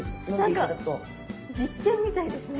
何か実験みたいですね。